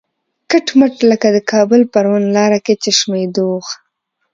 کټ مټ لکه د کابل پروان لاره کې چشمه دوغ.